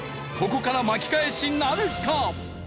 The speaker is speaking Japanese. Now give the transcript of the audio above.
ここから巻き返しなるか？